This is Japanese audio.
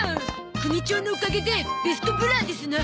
組長のおかげでベストブラーですな。